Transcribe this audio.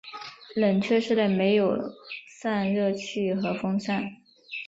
冷却室内设有散热器和风扇。